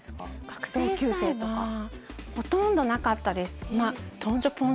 学生時代はほとんどなかったです